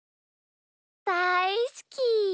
だいすき。